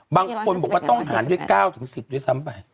บางคนบอกว่าต้องหารด้วย๙๑๐ด้วยซ้ำไป